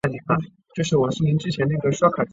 晶粒是指微小的或微米尺度的晶体。